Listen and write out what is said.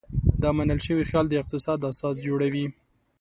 دا منل شوی خیال د اقتصاد اساس جوړوي.